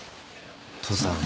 父さん。